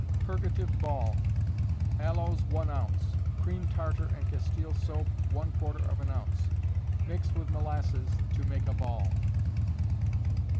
Purgative Ball. Aloes, one ounce; cream tartar and castile soap, one quarter of an ounce. Mix with molasses to make a ball.